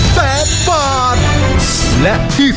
ภายในเวลา๓นาที